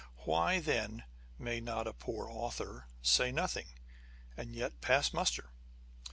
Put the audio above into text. Why, then, may not a poor author say nothing, and yet pass muster